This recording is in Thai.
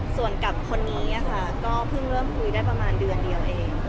ส่วนกับคนนี้ค่ะก็เพิ่งเริ่มคุยได้ประมาณเดือนเดียวเอง